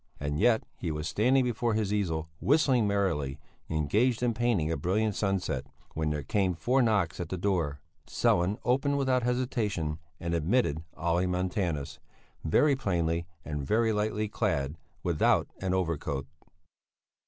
And yet he was standing before his easel whistling merrily, engaged in painting a brilliant sunset, when there came four knocks at the door. Sellén opened without hesitation and admitted Olle Montanus, very plainly and very lightly clad, without an overcoat.